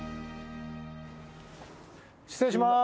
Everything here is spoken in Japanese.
失礼します。